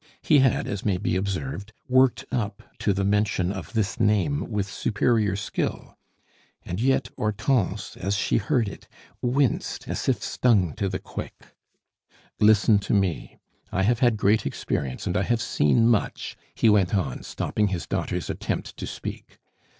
He had, as may be observed, worked up to the mention of this name with superior skill; and yet Hortense, as she heard it, winced as if stung to the quick. "Listen to me; I have had great experience, and I have seen much," he went on, stopping his daughter's attempt to speak.